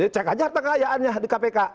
cek aja harta kekayaannya di kpk